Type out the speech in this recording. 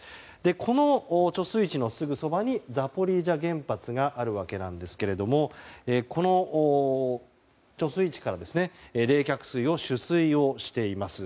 この貯水池のすぐそばにザポリージャ原発があってこの貯水池から冷却水を取水しています。